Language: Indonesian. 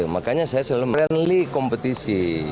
makanya saya selalu friendly kompetisi